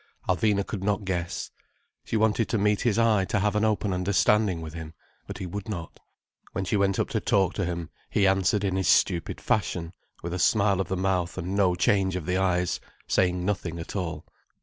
Alvina could not guess. She wanted to meet his eye, to have an open understanding with him. But he would not. When she went up to talk to him, he answered in his stupid fashion, with a smile of the mouth and no change of the eyes, saying nothing at all.